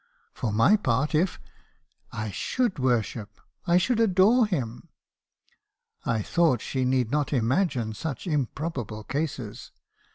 For my part, if ... I should worship, I should adore him.' I thought she need not imagine such improbable cases.